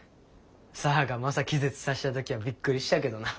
沙和がマサ気絶させた時はびっくりしたけどな。